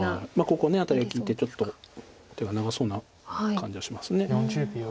ここアタリが利いてちょっと手が長そうな感じはします。